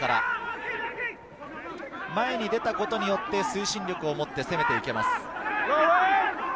前に持ってきたことによって推進力を持って攻めていけます。